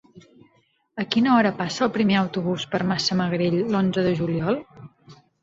A quina hora passa el primer autobús per Massamagrell l'onze de juliol?